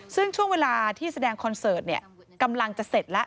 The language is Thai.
ซึ่งช่วงเวลาที่แสดงคอนเสิร์ตกำลังจะเสร็จแล้ว